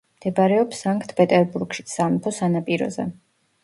მდებარეობს სანქტ-პეტერბურგში სამეფო სანაპიროზე.